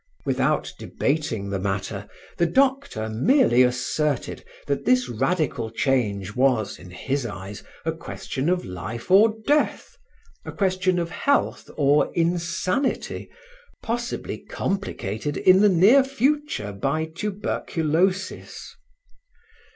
Without debating the matter, the doctor merely asserted that this radical change was, in his eyes, a question of life or death, a question of health or insanity possibly complicated in the near future by tuberculosis.